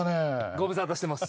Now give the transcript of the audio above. ご無沙汰してます。